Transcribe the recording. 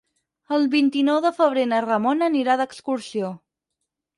El vint-i-nou de febrer na Ramona anirà d'excursió.